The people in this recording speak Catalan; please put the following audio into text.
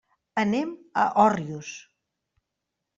Anem a Òrrius.